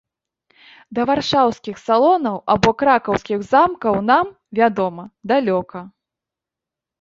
Да варшаўскіх салонаў або кракаўскіх замкаў нам, вядома, далёка.